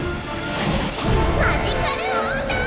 マジカルウォーター！！